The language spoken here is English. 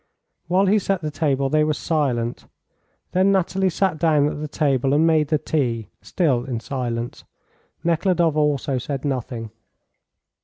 While he set the table they were silent. Then Nathalie sat down at the table and made the tea, still in silence. Nekhludoff also said nothing.